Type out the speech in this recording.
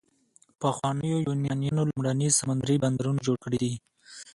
پخوانیو یونانیانو لومړني سمندري بندرونه جوړ کړي دي.